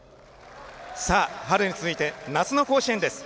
春に続いて夏の甲子園です。